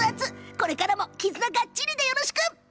これからも絆がっちりでよろしく。